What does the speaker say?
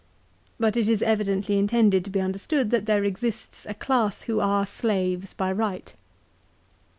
But it is evidently intended to be understood that there exists a class who are slaves by right.